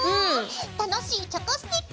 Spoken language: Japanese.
楽しいチョコスティック